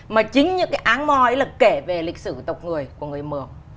mà chính những cái áng mò ấy là kể về lịch sử tộc người của người mường